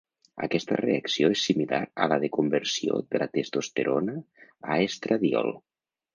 Aquesta reacció és similar a la de conversió de la testosterona a estradiol.